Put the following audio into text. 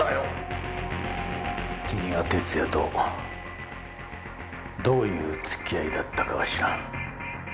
君が哲弥とどういう付き合いだったかは知らん。